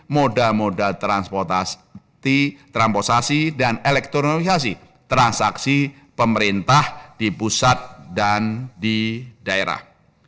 moda moda transportasi dan elektronologi transaksi pemerintah di pusat dan di daerah